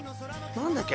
何だっけ？